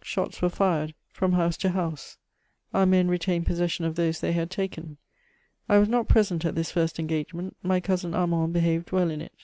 Shots were fired from house to CHATEAUBRIAND. 346 house ; our men retained possession of those they had taken. I was not present at this first engagement ; my cousin Armand hehaved well in it.